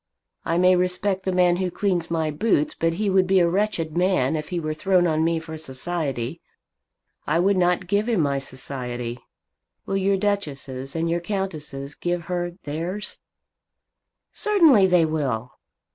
I may respect the man who cleans my boots. But he would be a wretched man if he were thrown on me for society. I would not give him my society. Will your Duchesses and your Countesses give her theirs?" "Certainly they will."